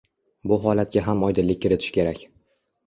Bu holatga ham oydinlik kiritish kerak